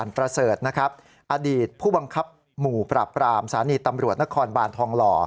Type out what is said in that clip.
ประเสริฐนะครับอดีตผู้บังคับหมู่ปราบปรามสถานีตำรวจนครบานทองหล่อ